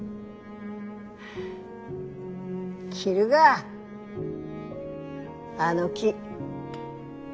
切るがぁあの木。